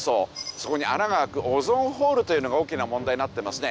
そこに穴が開くオゾンホールというのが大きな問題になってますね。